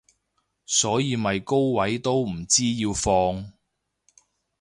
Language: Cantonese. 所以咪高位都唔知要放